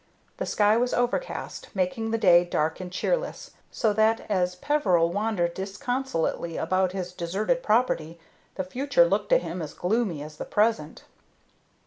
The sky was overcast, making the day dark and cheerless, so that, as Peveril wandered disconsolately about his deserted property, the future looked to him as gloomy as the present.